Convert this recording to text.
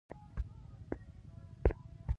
افغانستان د غزني په اړه ډیرې پراخې او علمي څېړنې لري.